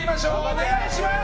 お願いします！